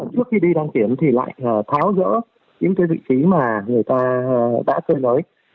trước khi đi đăng kiểm thì lại tháo rỡ những vị trí mà người ta đã cơ giới